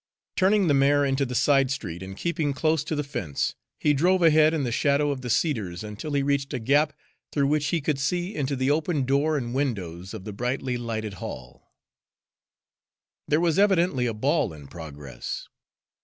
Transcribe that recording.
Turning the mare into the side street and keeping close to the fence, he drove ahead in the shadow of the cedars until he reached a gap through which he could see into the open door and windows of the brightly lighted hall. There was evidently a ball in progress.